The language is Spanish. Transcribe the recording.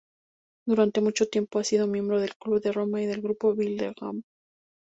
Durante mucho tiempo ha sido miembro del Club de Roma y del Grupo Bilderberg.